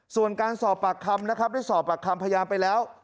ส่วนการสอบปากคำนะครับได้สอบปากคำพยานไปแล้ว